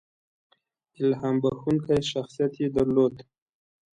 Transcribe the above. • الهام بښونکی شخصیت یې درلود.